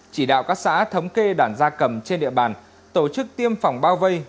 chỉ đạo các xã thống kê đàn gia cầm trên địa bàn tổ chức tiêm phòng bao vây